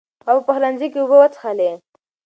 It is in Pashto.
هغه په پخلنځي کې اوبه وڅښلې.